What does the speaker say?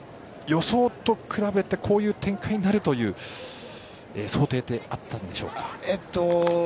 予想と比べてこういう展開になるという想定ってあったんでしょうか？